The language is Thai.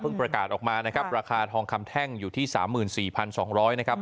ประกาศออกมานะครับราคาทองคำแท่งอยู่ที่๓๔๒๐๐นะครับ